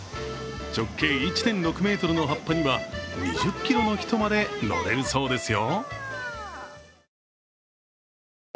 直径１．６ｍの葉っぱには２０ｋｇの人まで乗れるそうですよ。